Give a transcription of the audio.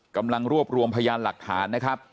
กำลังรวบรวมพยานหลักฐานนะครับ